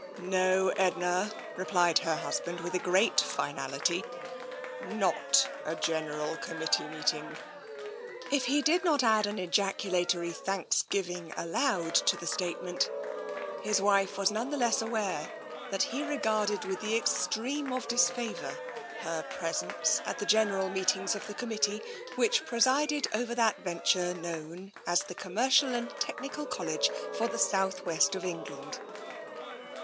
" No, Edna," replied her husband, with a great finality. '' Not a General Committee meeting." If he did not add an ejaculatory thanksgiving aloud to the statement, his wife was none the less aware that he regarded with the extreme of disfavour her presence at the general meetings of the committee which pre sided over that venture known as the " Commercial and Technical College for the South West of Eng land."